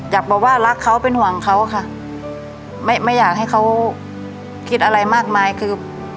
อยากบอกว่ารักเขาเป็นห่วงเขาค่ะไม่ไม่อยากให้เขาคิดอะไรมากมายคือ